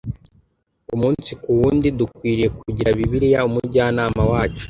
Umunsi ku wundi dukwiriye kugira Bibiliya umujyanama wacu.